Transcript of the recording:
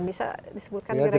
bisa disebutkan kira kira